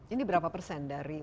ini berapa persen dari